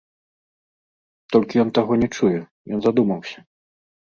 Толькі ён таго не чуе, ён задумаўся.